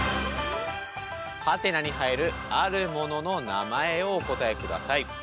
はてなに入るあるものの名前をお答えください。